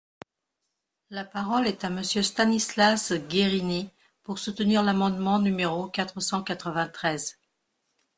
La parole est à Monsieur Stanislas Guerini, pour soutenir l’amendement numéro quatre cent quatre-vingt-treize.